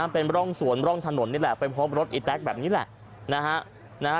เป็นร่องสวนร่องถนนนี่แหละแบบนี้แหละ